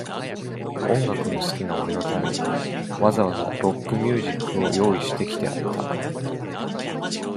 音楽の好きな俺のために、わざわざ、ロックミュージックを用意してきてあった。